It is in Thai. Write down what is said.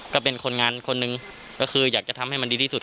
ก็เป็นคนงานคนหนึ่งก็คืออยากจะทำให้มันดีที่สุด